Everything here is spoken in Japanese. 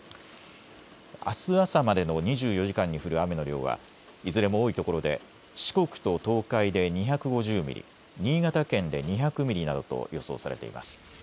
あす朝までの２４時間に降る雨の量はいずれも多いところで四国と東海で２５０ミリ、新潟県で２００ミリなどと予想されています。